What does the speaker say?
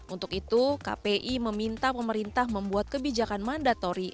untuk itu kpi meminta pemerintah membuat kebijakan mandatori